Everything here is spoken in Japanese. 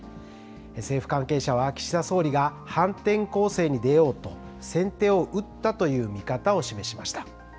政府関係者は、岸田総理が反転攻勢に出ようと先手を打ったという見方を示しました。